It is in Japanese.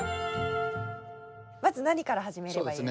まず何から始めればいいですか？